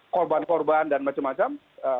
korban korban dan macam macam